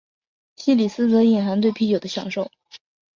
西里斯则隐含对啤酒的享受。